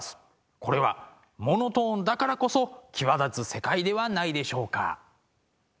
これはモノトーンだからこそ際立つ世界ではないでしょうか。